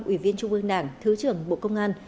ủy viên trung ương đảng thứ trưởng bộ công an